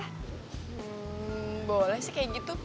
hmm bawalah sih kayak gitu